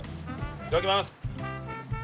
いただきます！